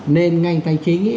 nền ngành tài chính ấy